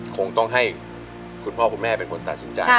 คงต้องให้คุณพ่อคุณแม่เป็นคนตัดสินใจ